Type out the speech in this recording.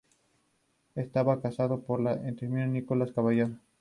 Estaba casado con la entrerriana Nicolasa Caraballo.